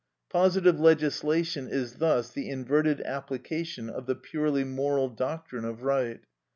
Positive legislation is thus the inverted application of the purely moral doctrine of right.